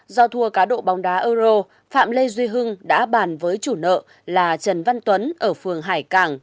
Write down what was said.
do thua cá độ bóng đá euro phạm lê duy hưng đã bàn với chủ nợ là trần văn tuấn ở phường hải cảng